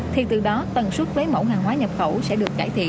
thì từ đó tần suất lấy mẫu hàng hóa nhập khẩu sẽ được cải thiện